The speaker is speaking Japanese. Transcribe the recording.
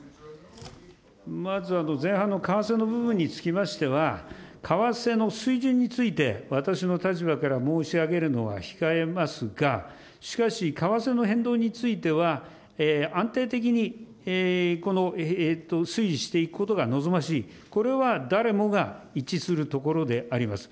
まず前半の為替の部分につきましては、為替の水準について、私の立場から申し上げるのは控えますが、しかし、為替の変動については、安定的に推移していくことが望ましい、これは誰もが一致するところであります。